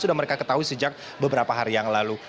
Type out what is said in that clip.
sudah mereka ketahui sejak beberapa hari yang lalu